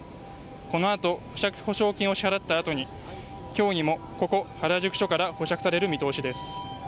このあと保釈保証金を支払ったあとに今日にもここ原宿署から保釈される見通しです。